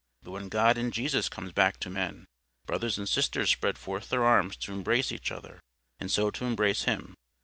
But when God in Jesus comes back to men, brothers and sisters spread forth their arms to embrace each other, and so to embrace Him.